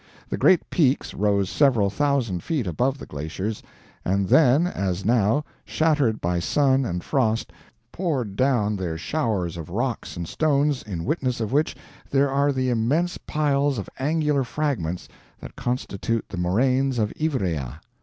"The great peaks rose several thousand feet above the glaciers, and then, as now, shattered by sun and frost, poured down their showers of rocks and stones, in witness of which there are the immense piles of angular fragments that constitute the moraines of Ivrea.